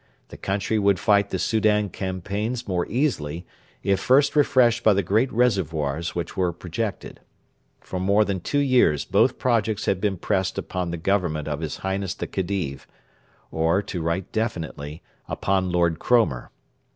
The country would fight the Soudan campaigns more easily if first refreshed by the great reservoirs which were projected. For more than two years both projects had been pressed upon the Government of his Highness the Khedive or, to write definitely, upon Lord Cromer.